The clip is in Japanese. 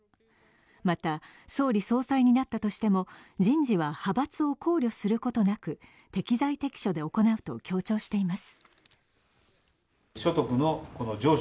また、総理・総裁になったとしても人事は派閥を考慮することなく適材適所で行うと強調しています。